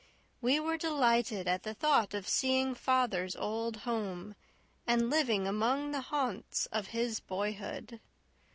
We were delighted at the thought of seeing father's old home, and living among the haunts of his boyhood.